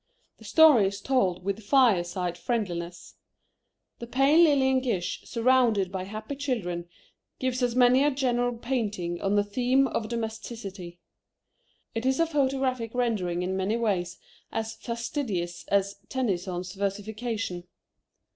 The story is told with fireside friendliness. The pale Lillian Gish surrounded by happy children gives us many a genre painting on the theme of domesticity. It is a photographic rendering in many ways as fastidious as Tennyson's versification.